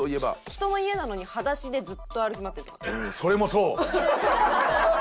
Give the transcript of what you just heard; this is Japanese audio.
人の家なのに裸足でずっと歩き回ってるとか。